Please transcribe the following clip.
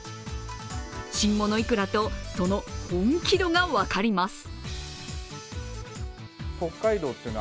新ものいくらと、その本気度が分かります。